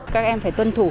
các em phải tuân thủ